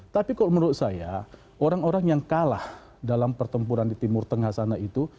tapi kalau menurut saya orang orang yang kalah dalam pertempuran di timur tengah sana itu